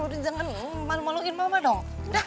udah jangan malu maluin mama dong